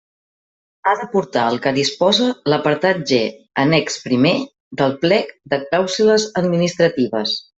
Ha d'aportar el que disposa l'apartat G, annex primer del plec de clàusules administratives.